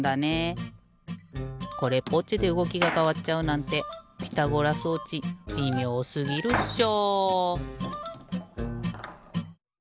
これっぽっちでうごきがかわっちゃうなんてピタゴラ装置びみょうすぎるっしょ。